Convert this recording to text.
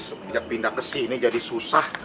sejak pindah kesini jadi susah